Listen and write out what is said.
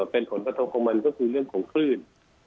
เป็นผลกระทบของมันก็คือเรื่องของคลื่น